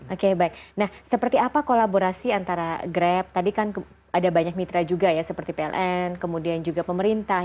oke baik nah seperti apa kolaborasi antara grab tadi kan ada banyak mitra juga ya seperti pln kemudian juga pemerintah